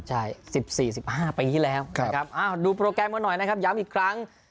ใช่๑๔๑๕ปีที่แล้วนะครับดูโปรแกรมกันหน่อยนะครับย้ำอีกครั้ง